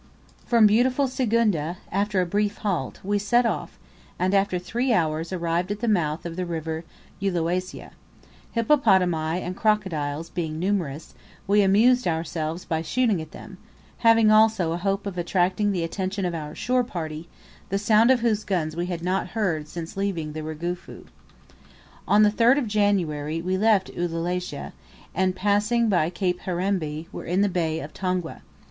From beautiful Sigunga, after a brief halt, we set off, and, after three hours, arrived at the mouth of the River Uwelasia. Hippopotami and crocodiles being numerous; we amused ourselves by shooting at them, having also a hope of attracting the attention of our shore party, the sound of whose guns we had not heard since leaving the Rugufu. On the 3rd of January we left Uwelasia, and, passing by Cape Herembe, were in the bay of Tongwe.